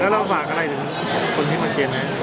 แล้วเราฝากอะไรถึงคนที่มาเคลียร์ไหม